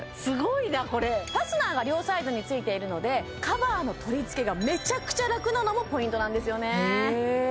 すごいなこれファスナーが両サイドについているのでカバーの取り付けがめちゃくちゃ楽なのもポイントなんですよね